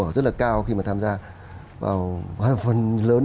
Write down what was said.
có độ mở rất là cao khi mà tham gia vào phần lớn